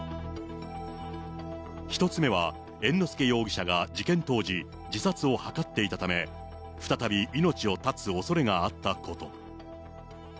１つ目は、猿之助容疑者が事件当時、自殺を図っていたため、再び命を絶つおそれがあったこと。